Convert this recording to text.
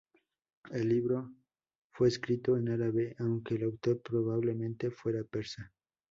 El libro fue escrito en árabe, aunque el autor probablemente fuera persa.